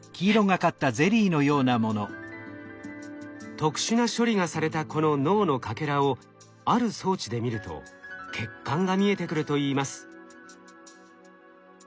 特殊な処理がされたこの脳のかけらをある装置で見ると血管が見えてくるといいます。